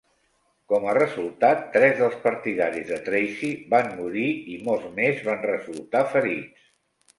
Com a resultat, tres dels partidaris de Tracey van morir i molts més van resultar ferits.